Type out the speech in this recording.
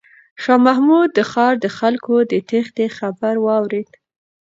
شاه محمود د ښار د خلکو د تیښتې خبر واورېد.